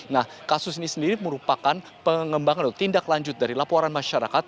nah kasus ini sendiri merupakan pengembangan atau tindak lanjut dari laporan masyarakat